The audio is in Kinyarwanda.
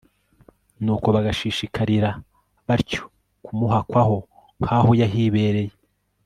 nuko bagashishikarira batyo kumuhakwaho nk'aho yahibereye